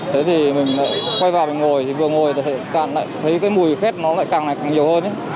thế thì mình quay vào ngồi vừa ngồi thấy mùi khét nó lại càng nhiều hơn